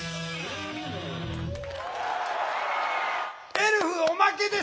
エルフおまけで正解です！